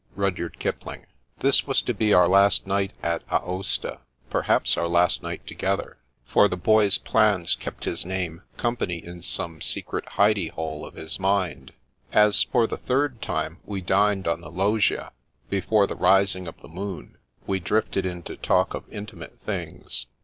— RUDYA&D ElPLINU This was to be our last night at Aosta, perhaps our last night together, for the Boy's plans kept his name company in some secret " hidie hole " of his mind. As, for the third time, we dined on the loggia, before the rising of the moon, we drifted into talk of intimate things.